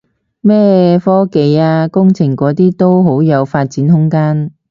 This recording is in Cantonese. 咩科技啊工程嗰啲都好有發展空間